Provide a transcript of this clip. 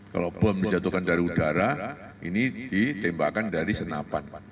kalau bom dijatuhkan dari udara ini ditembakkan dari senapan